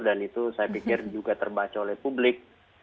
dan itu saya pikir juga terbaca oleh publik